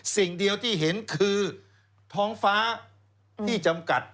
สิ่งเดียวที่เห็นคือท้องฟ้าที่จำกัด